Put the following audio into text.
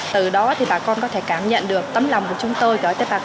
từ đó thì bà con có thể cảm nhận được tấm lòng của chúng tôi